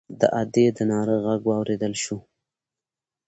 د ادي د ناره غږ واورېدل شو.